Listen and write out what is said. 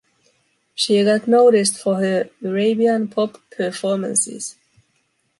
She got noticed for her Arabian pop performances.